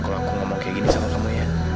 kalau aku ngomong kayak gini sama kamu ya